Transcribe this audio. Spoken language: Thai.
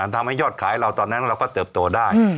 ทำให้ยอดขายเราตอนนั้นเราก็เติบโตได้